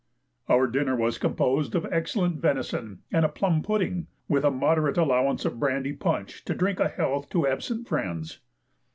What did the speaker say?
Our dinner was composed of excellent venison and a plum pudding, with a moderate allowance of brandy punch to drink a health to absent friends.